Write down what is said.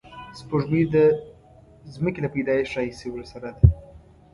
سپوږمۍ د ځمکې له پیدایښت راهیسې ورسره ده